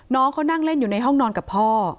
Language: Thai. น้องเขานั่งเล่นอยู่ในห้องนอนกับพ่อ